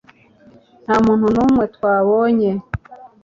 nta muntu n'umwe twabonye